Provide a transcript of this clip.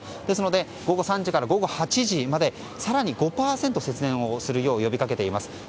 ですので午後３時から午後８時まで更に５％節電をするよう呼びかけています。